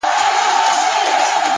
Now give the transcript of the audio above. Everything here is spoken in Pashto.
o د يو ښايستې سپيني كوتري په څېر ـ